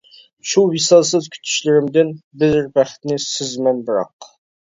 شۇ ۋىسالسىز كۈتۈشلىرىمدىن، بىر بەختنى سىزىمەن بىراق.